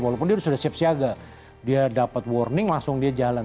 walaupun dia sudah siap siaga dia dapat warning langsung dia jalan